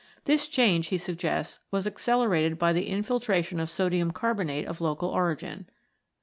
This change, he suggests, was accelerated by the infiltration of sodium carbonate of local origin.